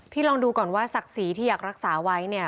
ลองดูก่อนว่าศักดิ์ศรีที่อยากรักษาไว้เนี่ย